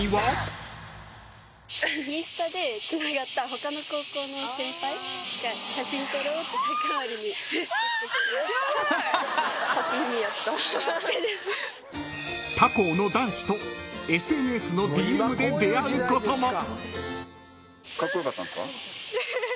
［他校の男子とＳＮＳのＤＭで出会うことも］